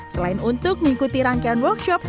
selain untuk mengikuti rangkaian workshop